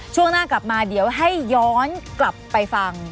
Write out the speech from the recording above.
ช่วงหน้ากลับมาเดี๋ยวให้ย้อนกลับไปฟัง